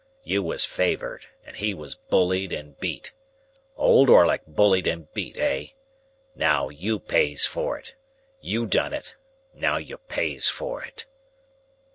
You was favoured, and he was bullied and beat. Old Orlick bullied and beat, eh? Now you pays for it. You done it; now you pays for it."